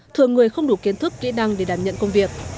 thường người không đủ kiến thức kỹ năng để đảm nhận công việc